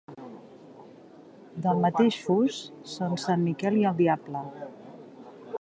Del mateix fust són sant Miquel i el diable.